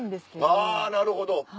あなるほど。